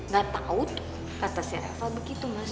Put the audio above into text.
gak tau tuh kata si reva begitu mas